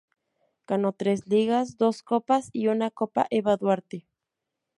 Ganó tres Ligas, dos Copas y una Copa Eva Duarte.